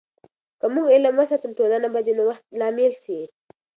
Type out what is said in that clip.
که موږ علم وساتو، ټولنه به د نوښت لامل سي.